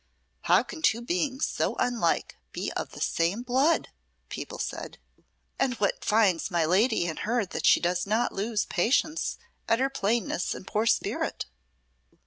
"How can two beings so unlike be of the same blood?" people said; "and what finds my lady in her that she does not lose patience at her plainness and poor spirit?"